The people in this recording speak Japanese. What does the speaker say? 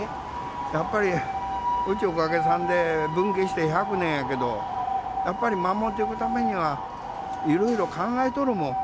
やっぱり、うち、おかげさんで分家して１００年やけど、やっぱり守ってくためには、いろいろ考えとるもん。